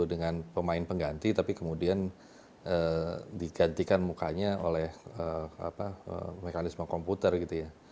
dengan pemain pengganti tapi kemudian digantikan mukanya oleh mekanisme komputer gitu ya